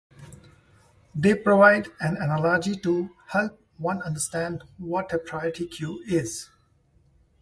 They provide an analogy to help one understand what a priority queue is.